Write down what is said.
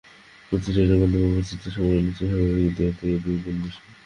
প্রতিটি ট্রেন গন্তব্যে পৌঁছাতে সময় নিচ্ছে স্বাভাবিকের দেড় থেকে দুই গুণ বেশি।